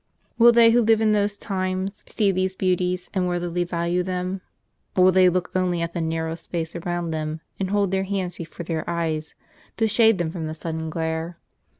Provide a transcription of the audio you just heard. Will they who live in those times see these beauties, and worthily value them ? Or, will they look only at the narrow space around them, and hold their hands before their eyes, to shade them from the sudden glare?